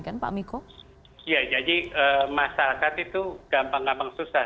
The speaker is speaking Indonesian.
jadi masyarakat itu gampang gampang susah